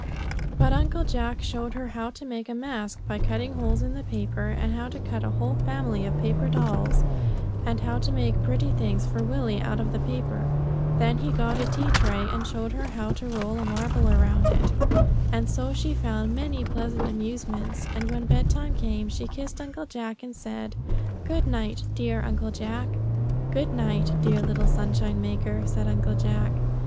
But Uncle Jack showed her how to make a mask by cutting holes in the paper, and how to cut a whole family of paper dolls, and how to make pretty things for Willie out of the paper. Then he got a tea tray and showed her how to roll a marble round it. And so she found many pleasant amusements; and when bedtime came she kissed Uncle Jack, and said: "Good night, dear Uncle Jack." "Good night, dear little sunshine maker;" said Uncle Jack.